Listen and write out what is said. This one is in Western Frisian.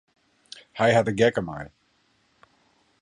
Hy hat de gek dermei.